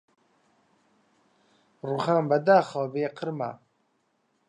ڕووخان بەداخەوە بێ قرمە